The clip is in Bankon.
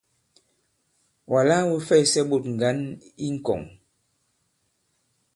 Wàla wū fɛysɛ ɓôt ŋgǎn i ŋ̀kɔ̀ŋ.